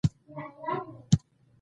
ستا به په غاړه لار شي.